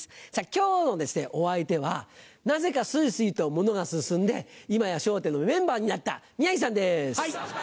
今日のお相手はなぜかスイスイとものが進んで今や『笑点』のメンバーになった宮治さんです。